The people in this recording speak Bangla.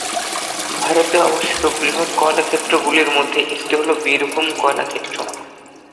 ভারতে অবস্থিত বৃহৎ কয়লা ক্ষেত্র গুলির মধ্যে একটি হল বীরভূম কয়লা ক্ষেত্র।